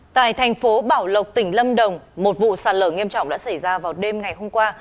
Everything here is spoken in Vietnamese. tại thành phố bảo lộc tỉnh lâm đồng một vụ sạt lở nghiêm trọng đã xảy ra vào đêm ngày hôm qua